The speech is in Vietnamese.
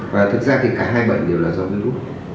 và thực ra thì cả hai bệnh đều là do virus